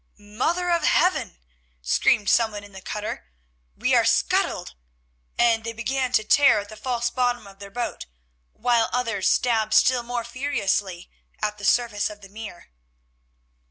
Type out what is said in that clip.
"Mother of Heaven!" screamed someone in the cutter, "we are scuttled," and they began to tear at the false bottom of their boat, while others stabbed still more furiously at the surface of the Mere.